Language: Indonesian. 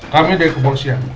kami dari komponsian